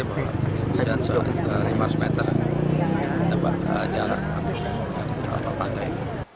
bahwa lima ratus meter jarak habis dari pantai